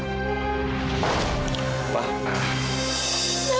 kenapa mas tega melepaskan kami semua mas